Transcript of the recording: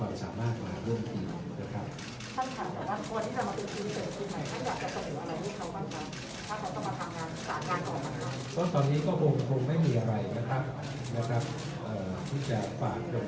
เราไม่ทรากได้แต่เราก็หยุดว่าท่านอุณ